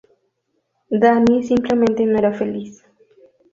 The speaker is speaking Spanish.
Danny simplemente no era feliz.